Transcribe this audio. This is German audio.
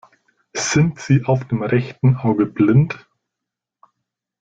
Sind sie auf dem rechten Auge blind?